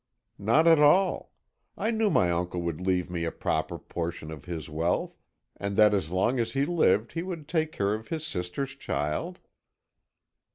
"Not at all. I knew my uncle would leave me a proper portion of his wealth, and that as long as he lived he would take care of his sister's child."